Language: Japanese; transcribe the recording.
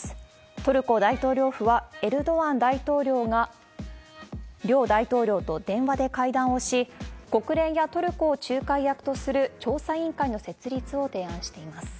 トルコ大統領府は、エルドアン大統領が両大統領と電話で会談をし、国連やトルコを仲介役とする調査委員会の設立を提案しています。